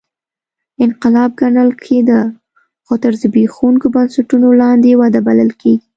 انقلاب ګڼل کېده خو تر زبېښونکو بنسټونو لاندې وده بلل کېږي